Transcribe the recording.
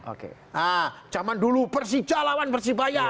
oke zaman dulu persija lawan persibaya